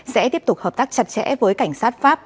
sẽ tiếp tục hợp tác chặt chẽ với cảnh sát pháp